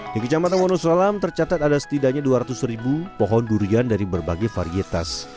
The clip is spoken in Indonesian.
di kecamatan wonosalam tercatat ada setidaknya dua ratus ribu pohon durian dari berbagai varietas